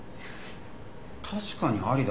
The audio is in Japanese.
確かにありだな。